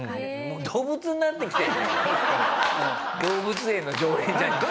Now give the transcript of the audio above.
動物園の常連じゃなくて。